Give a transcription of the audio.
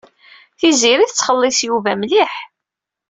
Tiziri tettxelliṣ Yuba mliḥ.